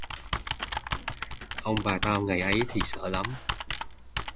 Ông bà tao ngày ấy thì sợ lắm